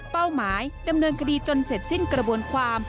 หมายดำเนินคดีจนเสร็จสิ้นกระบวนความ